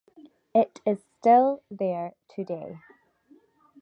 It is still there today.